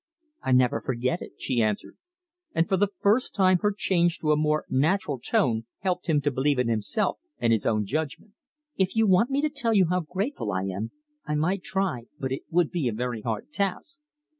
"I never forget it," she answered, and for the first time her change to a more natural tone helped him to believe in himself and his own judgment. "If you want me to tell you how grateful I am, I might try, but it would be a very hard task."